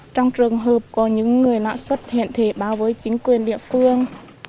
trong trường hợp có những người lã xuất hiện thể báo với chính quyền địa phương